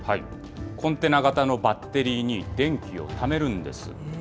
コンテナ型のバッテリーに電気をためるんです。